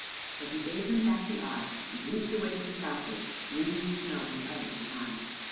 But he gave them back the eye and leaped away to the southward, leaving the snow and ice behind.